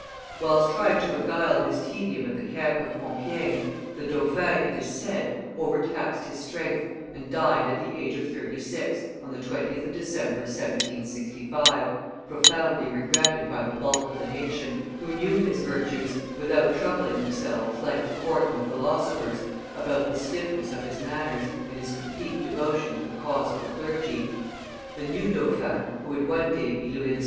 Whilst trying to beguile his tedium at the camp of Compiegne, the dauphin, it is said, overtaxed his strength, and died at the age of thirty six on the 20th of December, 1765, profoundly regretted by the bulk of the nation, who knew his virtues without troubling themselves, like the court and the philosophers, about the stiffness of his manners and his complete devotion to the cause of the clergy. The new dauphin, who would one day be Louis XVI.